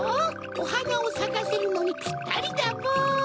おはなをさかせるのにピッタリだポ！